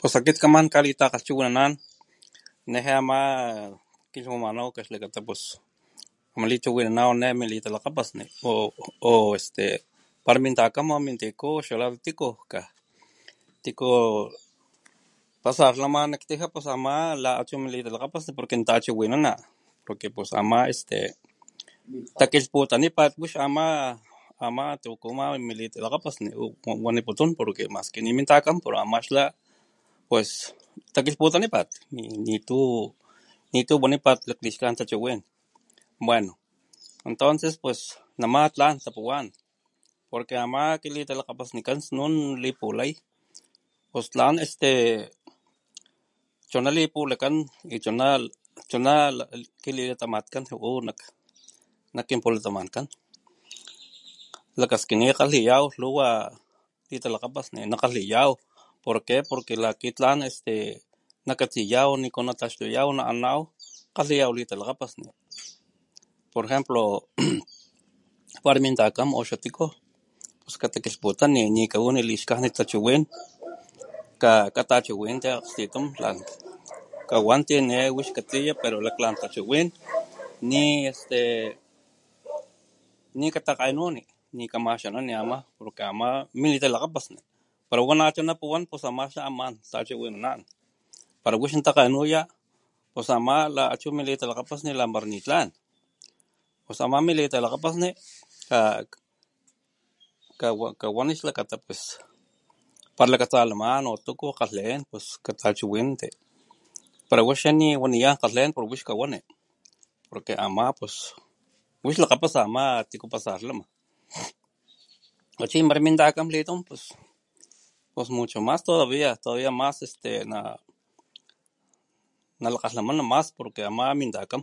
Pus akit kaman kalitakgalhchiwinanan neje ama kilhwamanaw xlakata pus amalichiwinanaw ne militalakgapasni o este pala min takam o min tiku xa la tiku ka tiku pasarlama nak tijia pus ama la achu militalakgapasni por natachiwinana porque pus ama este takilhputanipat wix ama ama tiku ama militalakgapasni waniputun porque más que ni min takan pero ama xla pus takilhputanipat nitu, nitu wanipat laklixkajnit tachiwin, bueno entonces pues nama tlan tapuwan porque ama kilitalakgapasnikan snun lipulay, pus tlan este chuna lipulakan y chuna chuna kililatamatkan ju'u nak kinpulatamatkan lakaskini kgalhiyaw lhuwa litalakgapasni ne kgalhiyaw porque ,porque lakitlan este nakatsiyaw niku nataxtuyaw na anaw kgalhiyaw litalakgapasni por ejemplo para min takan o xa tiku pus katakilhputani ni kawani lixkajnit tachiwin ka katachiwinanti akglhtitumtlaw kawanti ne wix katsiya pero lak lan tachiwin ni este nikatakgenuni nikamaxanani ama porque ama militalakgapasni pala wa nachu na puwan ama xa tachiwinanan pala wix natakgenuya pus ama la achu militalakgapasni la mara ni tlan pus ama militalakgapasni a kawani xlakata pus pala lakatsalaman o tuku kgalhen pus katachiwinanti pala waxa ni waniyan kgalhen wix kawani porque ama pus wix lakgapasa ama tiku pasarlama wa chi para min takam litum pus mucho más todavia más es te todavia más nala nalakgalhamana mas porque porque ama min takam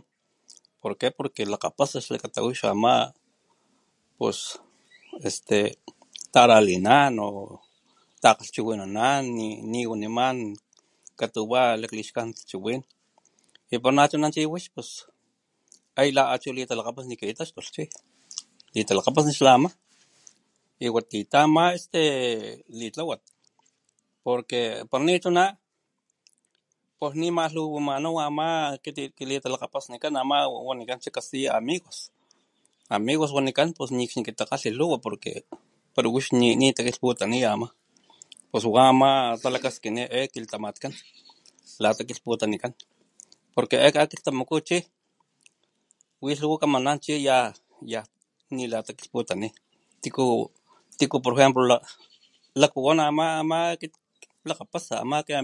porque, porque lakgapasa xlakata wix ama pus este taralinan, takgalhchiwinanan ni niwaniman katuwa laklixkajnit tachiwin y pus nachuna chi wix pus ay la achu nilitalakgapasni katitaxtulh chi litalakgapasni chi ama y watiyata ama este litlawat porque pala nichuna nimalhuwimanaw ama kilitalakgapasnikan ama u wanikan xa castilla amigos, amigos wanikan pus nikxni kitikgalhi lhuwa o porque wix nitakilhputaniya pus wama talakaskini e kilatamatkan latakilhputanikan porque e kakilhtamaku chi wi lhuwa kamanan chi yaj nilatakilhputani tiku por ejemplo lakg kakpuwan ama, ama kit klakgapasa ama ki amigo pero nitakilhputani ni ni este ni tlan tlaway xlakata pus ni kgalhi ama ixlitalakgapasni. Watiya.